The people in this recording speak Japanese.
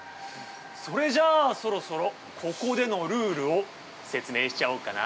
それじゃあ、そろそろここでのルールを説明しちゃおうかな。